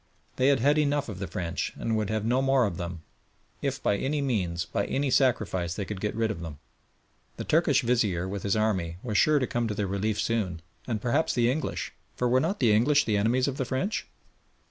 They had had enough of the French, and would have no more of them, if by any means, by any sacrifice, they could get rid of them. The Turkish Vizier with his army was sure to come to their relief soon, and perhaps the English, for were not the English the enemies of the French?